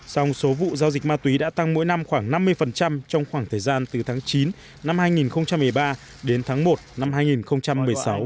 dòng số vụ giao dịch ma túy đã tăng mỗi năm khoảng năm mươi trong khoảng thời gian từ tháng chín năm hai nghìn một mươi ba đến tháng một năm hai nghìn một mươi sáu